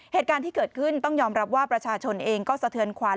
เหตุการณ์ที่เกิดขึ้นต้องยอมรับว่าประชาชนเองก็สะเทือนขวัญ